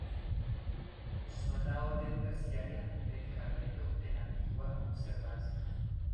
Son la Orden terciaria del Carmelo de la Antigua Observancia.